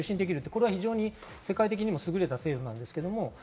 これは非常に世界的にもすぐれた制度です。